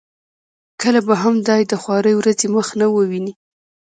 کله به هم دای د خوارې ورځې مخ نه وویني.